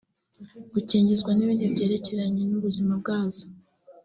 gukingizwa n’ibindi byerekeranye n’ubuzima bwazo